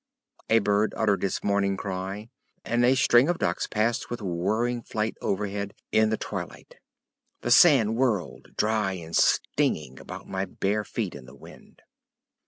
A bird uttered its morning cry, and a string of duck passed with whirring flight overhead in the twilight. The sand whirled, dry and stinging, about my bare feet in the wind.